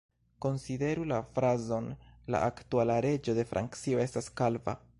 Konsideru la frazon "La aktuala reĝo de Francio estas kalva.